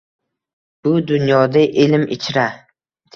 Bu dunyoda ilm ichra